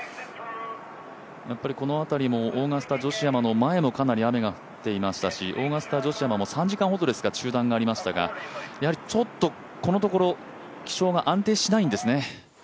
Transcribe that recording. この辺りもオーガスタ女子アマの前もかなり雨が降っていましたしオーガスタ女子アマも３時間ほど中断がありましたが、このところ気象が安定しないんですね。